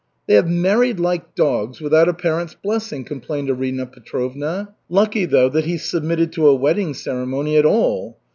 "They have married like dogs, without a parent's blessing!" complained Arina Petrovna. "Lucky, though, that he submitted to a wedding ceremony at all.